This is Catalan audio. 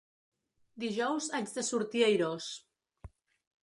Dijous haig de sortir airós.